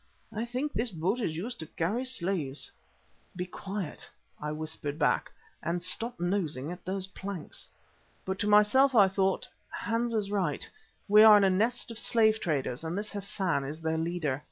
I think this boat is used to carry slaves." "Be quiet," I whispered back, "and stop nosing at those planks." But to myself I thought, Hans is right, we are in a nest of slave traders, and this Hassan is their leader.